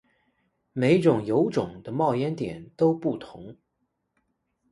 每种油种的冒烟点都不同。